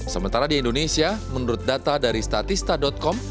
sementara di indonesia menurut data dari statista com